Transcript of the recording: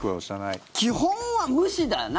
基本は無視だな。